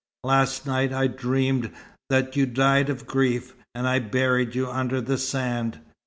Last night I dreamed that you died of grief, and I buried you under the sand.